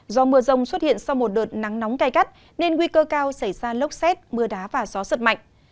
do mưa rông xuất hiện sau một đợt nắng nóng cay gắt nên nguy cơ cao xảy ra lốc xét mưa đá và gió giật mạnh